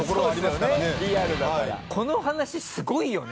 この話すごいよね！